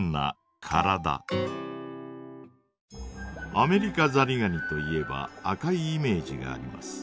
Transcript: アメリカザリガニといえば赤いイメージがあります。